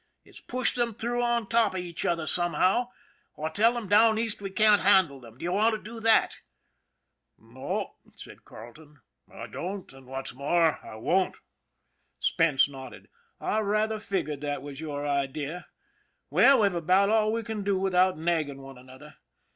It's push them through on top of each other somehow, or tell them down East we can't handle them. Do you want to do that ?"" No," said Carleton, " I don't ; and what's more, I won't." Spence nodded. " I rather figured that was your idea. Well, we've about all we can do without nagging one another.